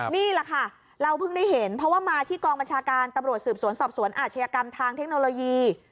นี่แหละค่ะเราเพิ่งได้เห็นเพราะว่ามาที่กองบัญชาการตำรวจสืบสวนสอบสวนอาชญากรรมทางเทคโนโลยี